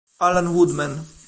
Allan Woodman